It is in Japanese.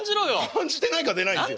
感じてないから出ないんですよ。